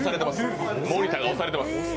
盛田が押されてます。